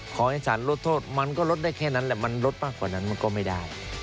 ขอให้สารลดโทษมันก็ลดได้แค่นั้นแหละมันลดมากกว่านั้นมันก็ไม่ได้